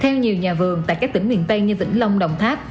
theo nhiều nhà vườn tại các tỉnh miền tây như vĩnh long đồng tháp